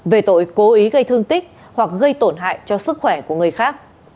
về tội cố ý gây thương tích hoặc gây tổn hại cho sức khỏe của người khác